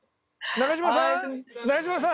中島さん